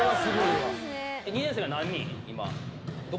２年生は今、何人？